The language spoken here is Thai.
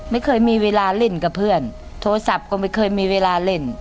ไม่เคยมีเวลาเล่นกับเพื่อนโทรศัพท์ก็ไม่เคยมีเวลาเล่น